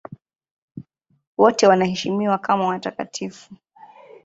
Wote wanaheshimiwa kama watakatifu.